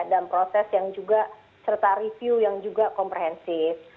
dan proses yang juga serta review yang juga komprehensif